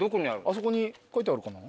あそこに書いてあるかな？